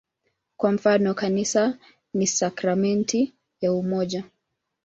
Kwa mfano, "Kanisa ni sakramenti ya umoja".